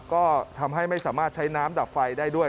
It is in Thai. ก็ทำให้ไม่สามารถใช้น้ำดับไฟได้ด้วย